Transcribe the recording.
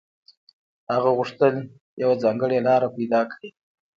هغه غوښتل يوه ځانګړې لاره پيدا کړي.